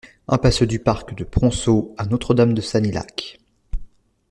Impasse du Parc de Prompsault à Notre-Dame-de-Sanilhac